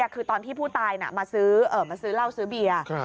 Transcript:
คือตอนที่ผู้ตายมาซื้อเหล้าซื้อเบียร์